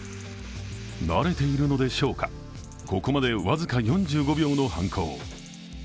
慣れているのでしょうか、ここまで僅か４５秒の犯行。